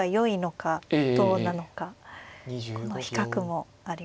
この比較もありますか。